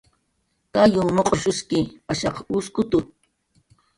Kayunh muq'rshuski, ashaq uskutu